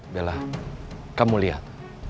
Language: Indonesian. bella kamu lihat